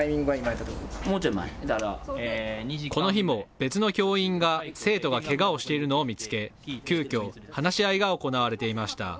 別の教員が生徒がけがをしているのを見つけ、急きょ、話し合いが行われていました。